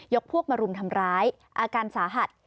พวกมารุมทำร้ายอาการสาหัส